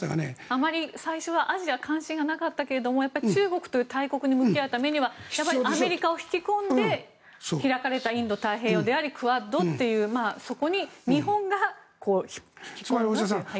あまり最初はアジアに関心がなかったけど中国という大国に向き合うためにはアメリカを引き込んで開かれたインド太平洋でありクアッドというそこに日本が引き込んだ。